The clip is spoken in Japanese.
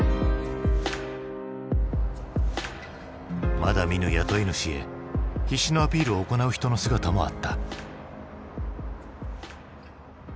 まだ見ぬ雇い主へ必死のアピールを行う人の姿もあった。